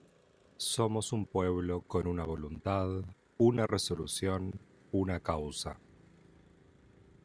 Somos un pueblo con una voluntad, una resolución, una causa.